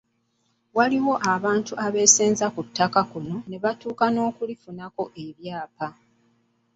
Waliwo n'abantu abeesenza ku ttaka lino nebatuuka n'okulifunako ebyapa.